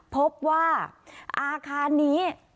พบว่าอาคารนี้